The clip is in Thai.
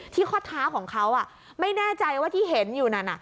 ข้อเท้าของเขาไม่แน่ใจว่าที่เห็นอยู่นั่น